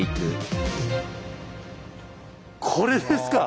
これですか？